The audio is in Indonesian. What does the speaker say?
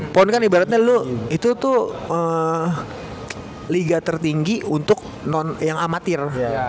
pon kan ibaratnya lo itu tuh liga tertinggi untuk non yang amatir